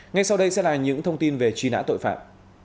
ngay sau đây sẽ là những thông tin về truy nã tội phạm